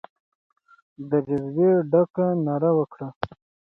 د جذبې ډکه ناره وکړه.